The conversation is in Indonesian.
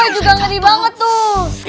saya juga ngeri banget tuh